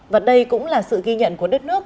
và đây cũng là sự ghi nhận của đất nước